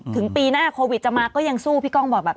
ถึงปีหน้าโควิดจะมาก็ยังสู้พี่ก้องบอกแบบ